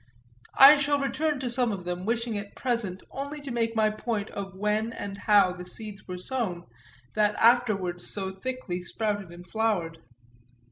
I shall return to some of them, wishing at present only to make my point of when and how the seeds were sown that afterwards so thickly sprouted and flowered.